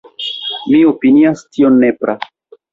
Mi opinias tion nepra.